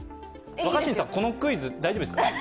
若新さん、このクイズ大丈夫ですか？